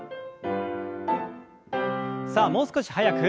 さあもう少し速く。